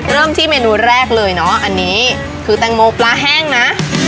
เริ่มที่เมนูแรกเลยเนอะอันนี้คือแตงโมปลาแห้งนะ